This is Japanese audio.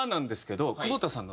久保田さんだ！